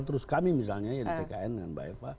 terus kami misalnya ya di ckn